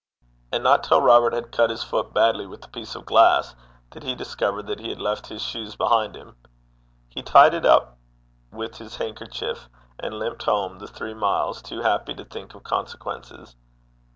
And not till Robert had cut his foot badly with a piece of glass, did he discover that he had left his shoes behind him. He tied it up with his handkerchief, and limped home the three miles, too happy to think of consequences.